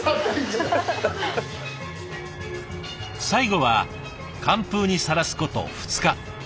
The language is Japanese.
最後は寒風にさらすこと２日。